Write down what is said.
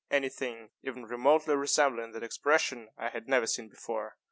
Any thing even remotely resembling that expression I had never seen before.